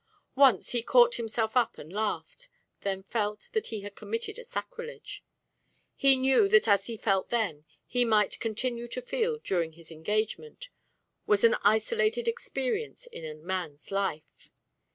Once he caught himself up and laughed, then felt that he had committed a sacrilege. He knew that as he felt then, as he might continue to feel during his engagement, was an isolated experience in a man's life.